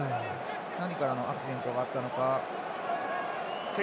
何かアクシデントがあったのか。